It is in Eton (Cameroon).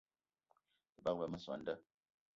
Te bagbe ma soo an da